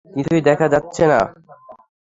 কিছুই দেখা যাচ্ছে না।